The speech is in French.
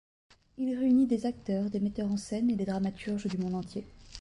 Il réunit des acteurs, des metteurs en scène et des dramaturges du monde entier.